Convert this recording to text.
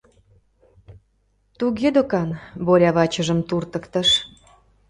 — Туге докан, — Боря вачыжым туртыктыш.